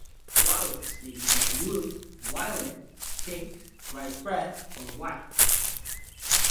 Flowers may be pale blue, violet, pink, bright red, or white.